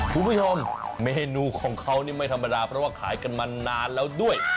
คุณผู้ชมเมนูของเขานี่ไม่ธรรมดาเพราะว่าขายกันมานานแล้วด้วย